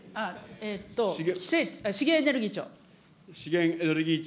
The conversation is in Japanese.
資源エネルギー庁。